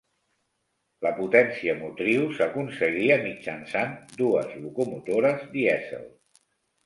La potència motriu s'aconseguia mitjançant dues locomotores dièsel.